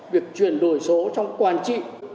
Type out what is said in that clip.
việc chuyển đổi số trong quan trị